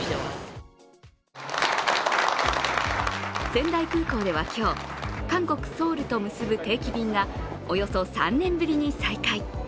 仙台空港では今日、韓国・ソウルと結ぶ定期便がおよそ３年ぶりに再開。